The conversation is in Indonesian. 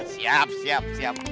siap siap siap